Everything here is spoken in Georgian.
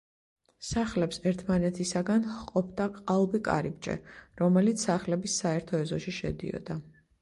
სახლებს ერთმანეთისაგან ჰყოფდა ყალბი კარიბჭე, რომელიც სახლების საერთო ეზოში შედიოდა.